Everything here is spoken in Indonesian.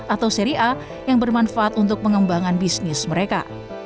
atau seri a yang bermanfaat untuk pengembangan bisnis mereka